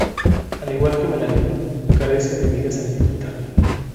Al igual que Melanie, carece de vida sentimental.